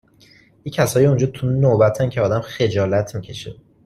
یه کسایی اونجا تو نوبتن که آدم خجالت می کشه